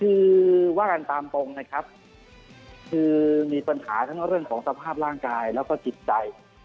คือว่ากันตามตรงนะครับคือมีปัญหาทั้งเรื่องของสภาพร่างกายแล้วก็จิตใจ